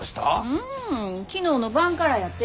うん昨日の晩からやて。